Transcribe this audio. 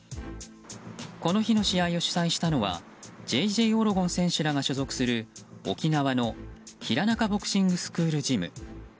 この日の試合を主催したのはジェイジェイ・オロゴン選手が所属する沖縄の平仲ボクシングスクールジム。